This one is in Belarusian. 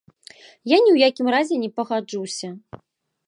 Я ні ў якім разе не пагаджуся.